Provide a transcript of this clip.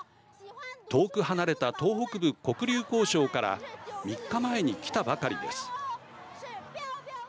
遠く離れた、東北部黒竜江省から３日前に来たばかりです。